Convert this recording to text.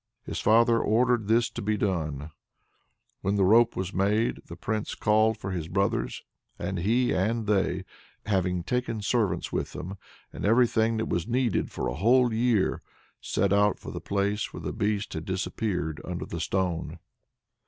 His father ordered this to be done. When the rope was made, the Prince called for his brothers, and he and they, having taken servants with them, and everything that was needed for a whole year, set out for the place where the Beast had disappeared under the stone.